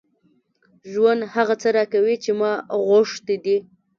ژوند هغه څه راکوي چې ما غوښتي دي.